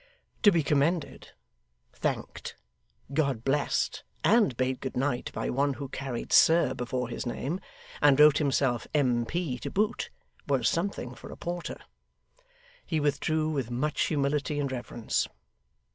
To be commended, thanked, God blessed, and bade good night by one who carried 'Sir' before his name, and wrote himself M.P. to boot, was something for a porter. He withdrew with much humility and reverence.